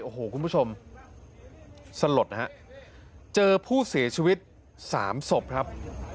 โอ้โหคุณผู้ชมสลดนะฮะเจอผู้เสียชีวิต๓ศพครับ